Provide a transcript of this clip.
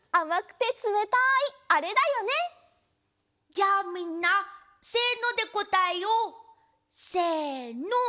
じゃあみんなせのでこたえよう！せの！